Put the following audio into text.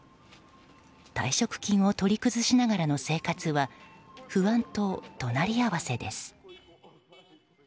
退職金を取り崩しながらの生活は不安と隣り合わせです。